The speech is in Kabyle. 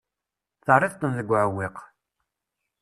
Terriḍ-ten deg uɛewwiq.